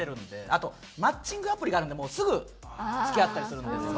あとマッチングアプリがあるんでもうすぐ付き合ったりするんですよ。